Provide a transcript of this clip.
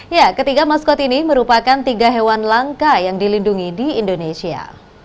ya ketiga maskot ini merupakan tiga hewan langka yang dilindungi di indonesia